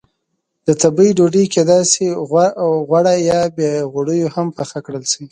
د تبۍ ډوډۍ کېدای شي غوړه یا بې غوړیو هم پخه کړل شي.